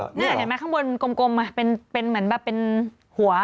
นี่เห็นไหมข้างบนกลมเป็นเหมือนแบบเป็นหัว